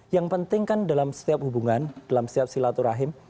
yang penting kan dalam setiap hubungan dalam setiap silaturahim